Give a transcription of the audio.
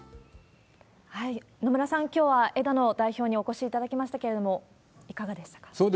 野村さん、きょうは枝野代表にお越しいただきましたけれども、いかがでしたか？